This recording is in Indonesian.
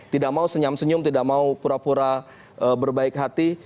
tidak mau senyam senyum tidak mau pura pura berbaik hati